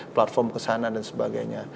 platform kesana dan sebagainya